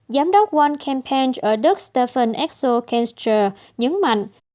giám đốc one campaign ở đức stephen axel kreisler nhấn mạnh